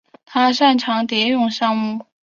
他擅长蝶泳项目。